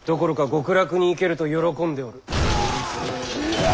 極楽に行けると喜んでおる。